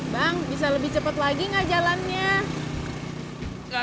bang bisa lebih cepet lagi gak jalannya